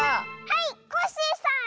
はいコッシーさん！